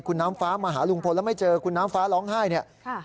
คุณน้ำฟ้ามาหาลุงพลแล้วไม่เจอคุณน้ำฟ้าร้องไห้เนี่ย